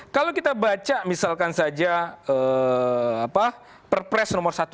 kalau kita baca misalkan saja perpres nomor satu ratus empat puluh lima tahun dua ribu lima belas